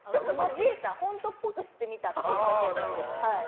本当っぽくしてみたってだけで。